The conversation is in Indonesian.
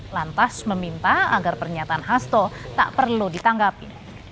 lantas meminta agar pernyataan hasto tak perlu ditanggapi